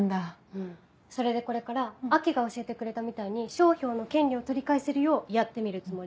うんそれでこれから亜季が教えてくれたみたいに商標の権利を取り返せるようやってみるつもり。